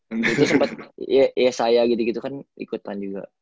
itu sempet yesaya gitu gitu kan ikutan juga